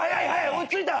追い付いた！